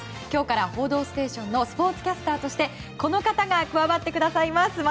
今日から「報道ステーション」のスポーツキャスターとしてこの方が加わってくださいます。